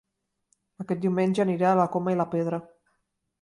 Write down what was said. Aquest diumenge aniré a La Coma i la Pedra